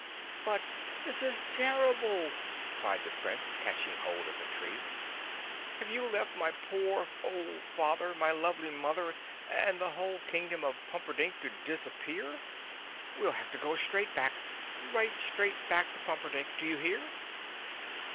"But this is terrible!" cried the Prince, catching hold of a tree. "Here you have left my poor old father, my lovely mother, and the whole Kingdom of Pumperdink to disappear. We'll have to go right straight back—right straight back to Pumperdink. Do you hear?"